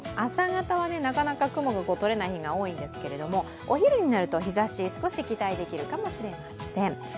朝方はなかなか雲がとれない日が多いんですけどお昼になると日ざし、少し期待できるかもしれません。